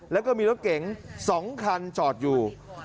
แล้วก็มีรถเก๋ง๒คันจอดอยู่